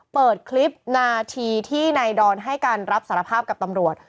เปิดคลิปนาทีที่นายดอนให้การรับสารภาพกับตำรวจ